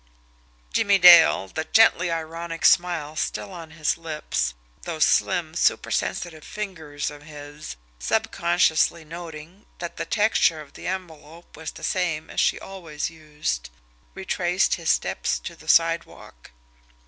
Jimmie Dale, the gently ironic smile still on his lips, those slim, supersensitive fingers of his subconsciously noting that the texture of the envelope was the same as she always used, retraced his steps to the sidewalk.